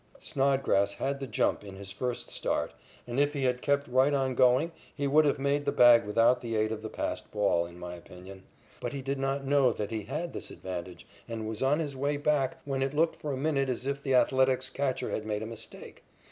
Snodgrass had the jump in his first start, and if he had kept right on going he would have made the bag without the aid of the passed ball, in my opinion. But he did not know that he had this advantage and was on his way back, when it looked for a minute as if the Athletics' catcher had made a mistake.